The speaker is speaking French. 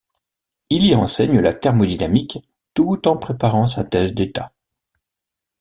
Il y enseigne la thermodynamique tout en préparant sa thèse d'État.